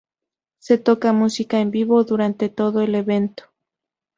Se toca música en vivo durante todo el evento.